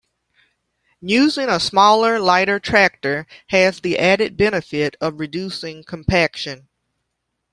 Using a smaller, lighter tractor has the added benefit of reducing compaction.